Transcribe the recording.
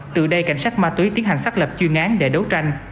từ đây cảnh sát ma túy tiến hành xác lập chuyên án để đấu tranh